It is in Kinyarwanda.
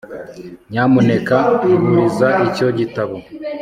nyamuneka nguriza icyo gitabo